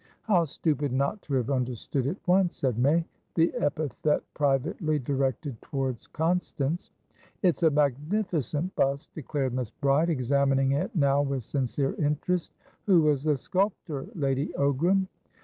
"How stupid not to have understood at once," said May, the epithet privately directed towards Constance. "It's a magnificent bust!" declared Miss Bride, examining it now with sincere interest. "Who was the sculptor, Lady Ogram?"